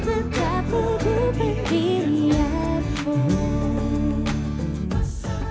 tentang sesuatu pengorbanan